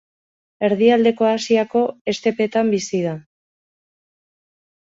Erdialdeko Asiako estepetan bizi da.